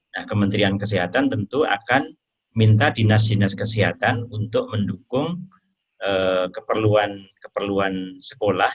nah kementerian kesehatan tentu akan minta dinas dinas kesehatan untuk mendukung keperluan sekolah